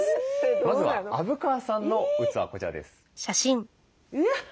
まずは虻川さんの器こちらです。